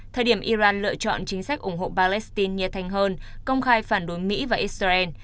thời điểm iran lựa chọn chính sách ủng hộ palestine nhiệt thành hơn công khai phản đối mỹ và israel